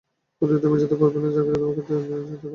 অতীতে তুমি যেতে পারবে না জাকারিয়া, তোমাকে যেতে দেয়া হবে না।